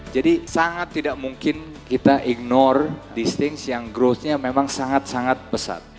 jadi sangat tidak mungkin kita ignore these things yang growth nya memang sangat sangat pesat